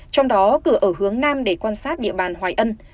trong đó cửa ở hướng nam để quan sát địa bàn hoài ân